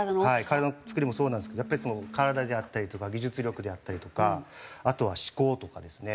体の作りもそうなんですけどやっぱり体であったりとか技術力であったりとかあとは思考とかですね